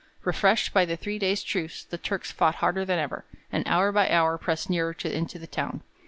Refreshed by the three days' truce the Turks fought harder than ever, and hour by hour pressed nearer into the town.